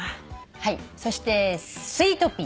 そしてスイートピー。